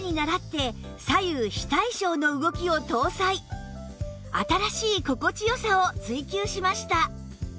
また新しい心地良さを追求しました